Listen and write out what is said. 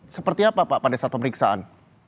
seperti apa pak pada saat pemeriksaan